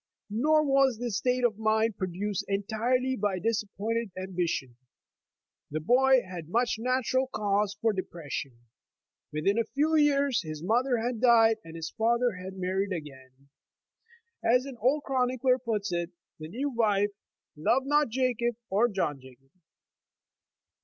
Nor was this state of mind produced entirely by disappointed ambition. The boy had much natural cause for depression. Within a few years his mother had died, and his father had married again. As an old chronicler puts it, the new wi*e ''loved not Jacob or John Jacob."